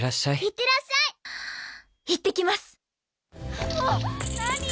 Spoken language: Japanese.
いってきます！